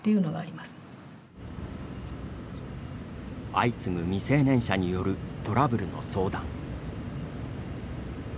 相次ぐ未成年者によるトラブルの相談。